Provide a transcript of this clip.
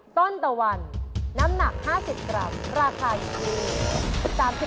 ตะวันน้ำหนัก๕๐กรัมราคาอยู่ที่